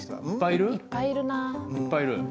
いっぱいいるな。